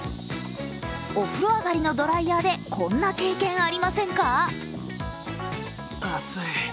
お風呂上がりのドライヤーでこんな経験ありませんか？